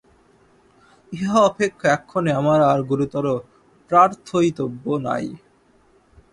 ইহা অপেক্ষা এক্ষণে আমার আর গুরুতর প্রার্থয়িতব্য নাই।